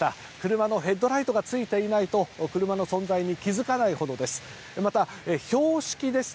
車のヘッドライトがついていないと、車の存在に気づかないほどです。